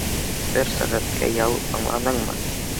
Бер сәғәткә ял, аңланыңмы?